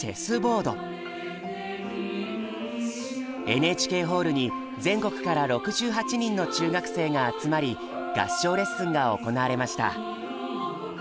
ＮＨＫホールに全国から６８人の中学生が集まり合唱レッスンが行われました。